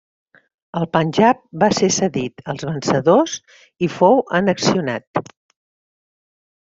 El Panjab va ser cedit als vencedors i fou annexionat.